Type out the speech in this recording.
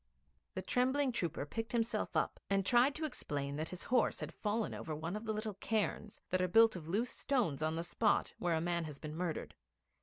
The trembling trooper picked himself up, and tried to explain that his horse had fallen over one of the little cairns that are built of loose stones on the spot where a man has been murdered.